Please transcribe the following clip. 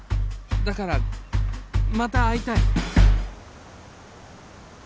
だからまた会いたい！